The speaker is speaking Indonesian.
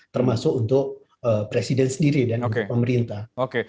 termasuk untuk presiden sendiri dan untuk pemerintah